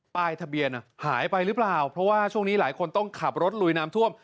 ป้ายทะเบียนหายไปหรือเปล่าเพราะว่าช่วงนี้หลายคนต้องขับรถลุยน้ำท่วม